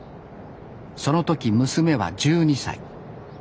その時娘は１２歳。